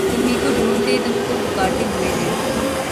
تمہی کو ڈھونڈتے تم کو پکارتے ہوئے دن